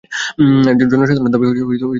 জনসাধারণের দাবি, কুট্টির ফাঁসি।